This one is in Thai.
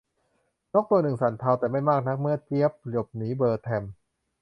นกตัวหนึ่งสั่นเทา แต่ไม่มากนักเมื่อเจี๊ยบหลบหนีเบอร์แทรม